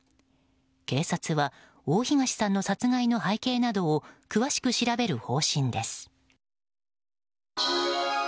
警察は大東さんの殺害の背景などを詳しく調べる方針です。